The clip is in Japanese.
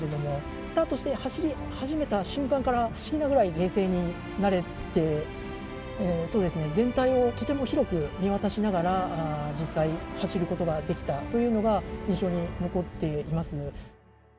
スタートして走り始めた瞬間から、不思議なくらい冷静になれて、全体をとても広く見渡しながら、実際、走ることができたというのが印象に残っています。